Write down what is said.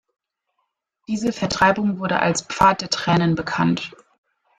Diese Vertreibung wurde als Pfad der Tränen bekannt.